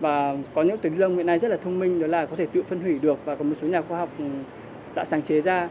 và có những túi ly lông hiện nay rất là thông minh có thể tự phân hủy được và có một số nhà khoa học đã sáng chế ra